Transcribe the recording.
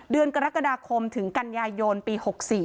เดือนกรกฎาคมถึงกันยายนปี๖๔